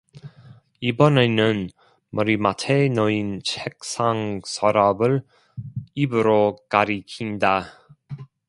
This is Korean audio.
이번에는 머리맡에 놓인 책상 서랍을 입으로 가리킨다.